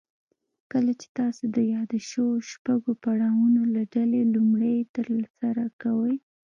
کله چې تاسې د يادو شويو شپږو پړاوونو له ډلې لومړی يې ترسره کوئ.